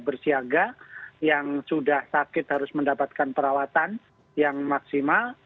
bersiaga yang sudah sakit harus mendapatkan perawatan yang maksimal